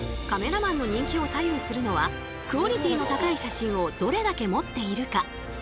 カメラマンの人気を左右するのはクオリティーの高い写真をどれだけ持っているか。